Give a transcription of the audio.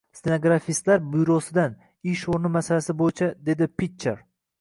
Stenografistlar byurosidan, ish o`rni masalasi bo`yicha, dedi Pitcher